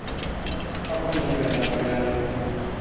তখন লোকেরা কাঁদতে লাগল।